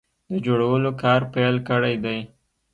د جوړولو کار پیل کړی دی